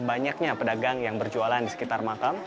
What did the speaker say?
banyaknya pedagang yang berjualan di sekitar makam